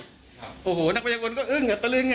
ก็ทำได้อ๋อโหนักมายกลก็อึ้งอ่ะตระลึงอ่ะ